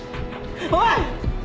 おい！